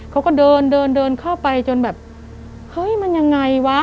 เขาก็เดินเดินเดินเข้าไปจนแบบเฮ้ยมันยังไงวะ